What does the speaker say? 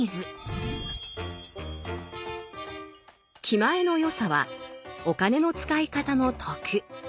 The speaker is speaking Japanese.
「気前の良さ」はお金の使い方の徳。